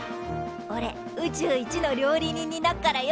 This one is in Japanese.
おれ宇宙一の料理人になっからよ！